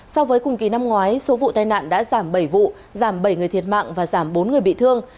so với cùng kỳ năm ngoái số vụ tai nạn đã giảm bảy vụ giảm bảy người thiệt mạng và giảm bốn người bị thương